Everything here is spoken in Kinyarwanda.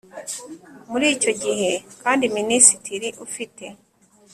Muri icyo gihe kandi Minisitiri ufite